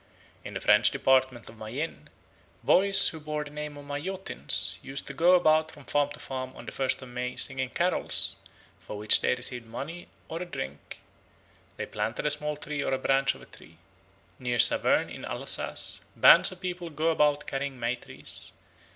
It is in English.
In the French department of Mayenne, boys who bore the name of Maillotins used to go about from farm to farm on the first of May singing carols, for which they received money or a drink; they planted a small tree or a branch of a tree. Near Saverne in Alsace bands of people go about carrying May trees.